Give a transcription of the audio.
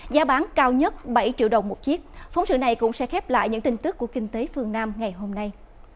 giá bán cao nhất bảy triệu đồng một chiếc phóng sự này cũng sẽ khép lại những tin tức của kinh tế phương nam ngày hôm nay